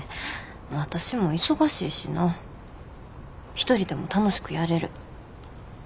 一人でも楽しくやれる。